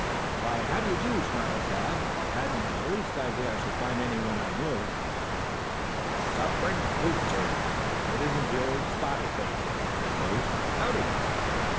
"Why, how do you do?" smiled Tad. "I hadn't the least idea I should find anyone I knew." "Well, suffering blue jays, if it isn't old Spotted Face!" exclaimed Bruce. "Howdy?"